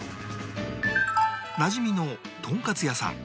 なじみのとんかつ屋さん